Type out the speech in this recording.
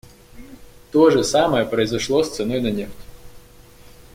То же самое произошло с ценой на нефть.